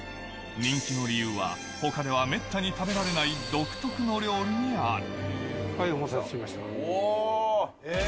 人気の理由は、ほかではめったに食べられない独特の料理にある。